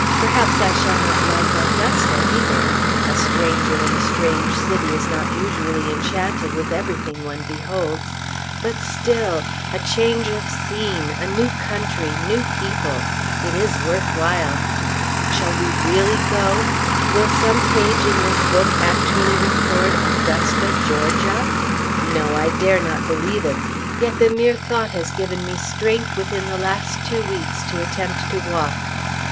Perhaps I shall not like Augusta either; a stranger in a strange city is not usually enchanted with everything one beholds; but still a change of scene a new country new people it is worth while! Shall we really go? Will some page in this book actually record "Augusta, Georgia"? No! I dare not believe it! Yet the mere thought has given me strength within the last two weeks to attempt to walk.